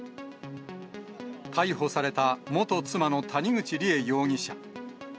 逮捕された元妻の谷口梨恵容疑者。